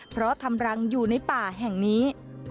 เพราะทำรังอยู่ในป่าแห่งนี้